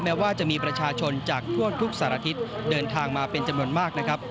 แม้ว่าจะมีประชาชนจากทั่วทุกสารทิศเดินทางมาเป็นจำนวนมากนะครับ